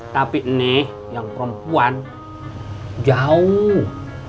tapi nih yang perempuan jauh